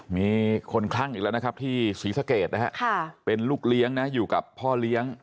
มีคนคลั่งอีกแล้วนะครับที่ศรีสะเกดนะฮะเป็นลูกเลี้ยงนะอยู่กับพ่อเลี้ยง